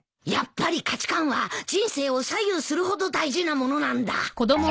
やっぱり価値観は人生を左右するほど大事なものなんだ。